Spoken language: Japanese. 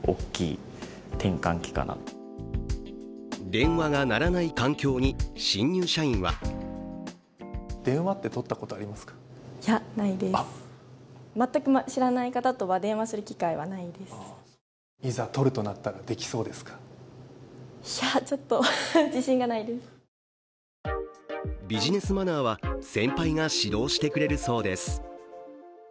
電話が鳴らない環境に新入社員はビジネスマナーは先輩が指導してくれるそうです。